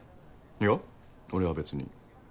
いや俺は別に。